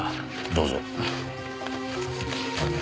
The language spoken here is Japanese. どうぞ。